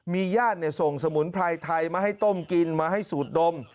มีญาติส่งสมุนไพรไทยมาให้ต้มกินมาให้สูดดม